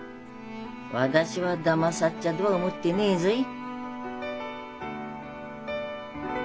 私はだまさっちゃどは思っでねえぞい。